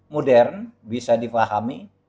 modern bisa difahami